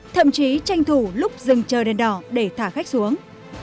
thậm chí tranh thủ lúc dừng chờ đèn đỏ để thả khách xuống